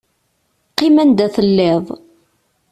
Qqim anda telliḍ.